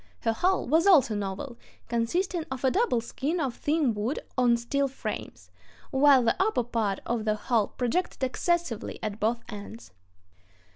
Her hull was also novel, consisting of a double skin of thin wood on steel frames, while the upper part of the hull projected excessively at both ends.